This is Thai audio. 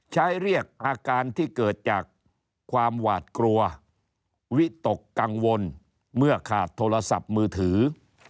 เรียกอาการที่เกิดจากความหวาดกลัววิตกกังวลเมื่อขาดโทรศัพท์มือถือ